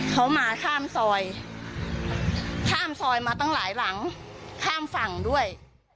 เขามาข้ามซอยข้ามซอยมาตั้งหลายหลังข้ามฝั่งด้วย